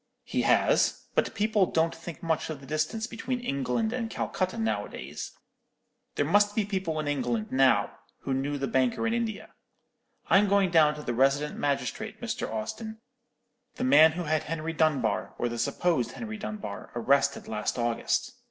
"'He has; but people don't think much of the distance between England and Calcutta nowadays. There must be people in England now who knew the banker in India. I'm going down to the resident magistrate, Mr. Austin; the man who had Henry Dunbar, or the supposed Henry Dunbar, arrested last August.